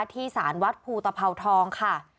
ที่สารวัดภูตภาวทองค่ะ